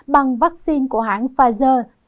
bằng vaccine của hãng pfizer